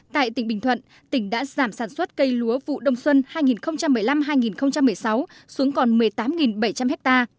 tại tỉnh bình thuận tỉnh đã giảm sản xuất cây lúa vụ đông xuân hai nghìn một mươi năm hai nghìn một mươi sáu xuống còn một mươi tám bảy trăm linh ha